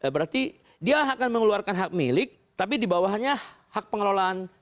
berarti dia akan mengeluarkan hak milik tapi di bawahnya hak pengelolaan